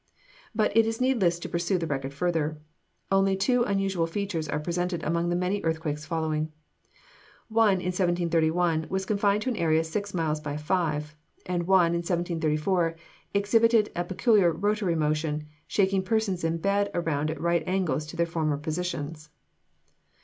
But it is needless to pursue the record further. Only two unusual features are presented among the many earthquakes following: one in 1731 was confined to an area six miles by five; and one in 1734 exhibited a peculiar rotary motion, shaking persons in bed around at right angles to their former positions.